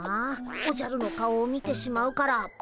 おじゃるの顔を見てしまうから。